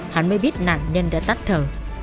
hắn mới biết nạn nhân đã tắt thở